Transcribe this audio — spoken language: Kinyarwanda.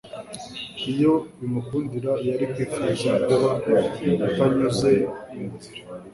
Iyo bimukundira yari kwifuza kuba atanyuze iyo nzira,